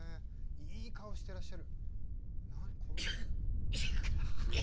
いい顔してらっしゃる。